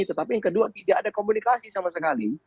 tetapi yang kedua tidak ada komunikasi sama sekali